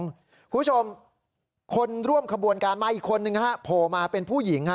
คุณผู้ชมคนร่วมขบวนการมาอีกคนนึงฮะโผล่มาเป็นผู้หญิงฮะ